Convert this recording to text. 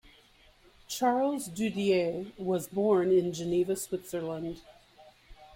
Charles Doudiet was born in Geneva, Switzerland.